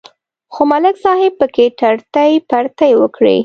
خو ملک صاحب پکې ټرتې پرتې وکړې